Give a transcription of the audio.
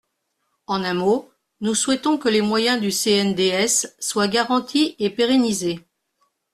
En un mot, nous souhaitons que les moyens du CNDS soient garantis et pérennisés.